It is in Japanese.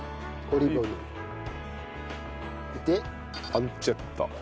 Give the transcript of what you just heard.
パンチェッタ。